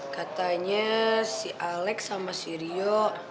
katanya si alex sama si rio